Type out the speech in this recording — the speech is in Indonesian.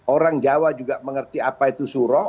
orang jawa juga mengerti apa itu surah